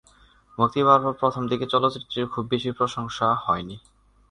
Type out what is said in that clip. মুক্তি পাওয়ার পর প্রথম দিকে চলচ্চিত্রটির খুব বেশি প্রশংসা হয়নি।